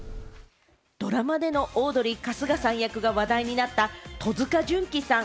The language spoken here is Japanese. ドラマでのオードリー・春日さん役が話題になった戸塚純貴さん。